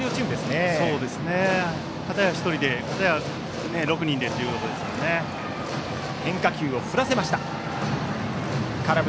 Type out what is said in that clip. かたや１人でかたや６人でということですから。